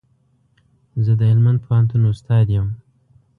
زه د هلمند پوهنتون استاد يم